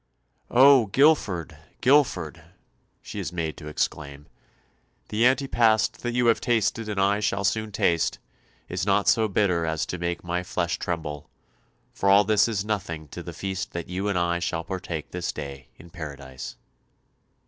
"Oh, Guilford, Guilford," she is made to exclaim, "the antepast that you have tasted and I shall soon taste, is not so bitter as to make my flesh tremble; for all this is nothing to the feast that you and I shall partake this day in Paradise."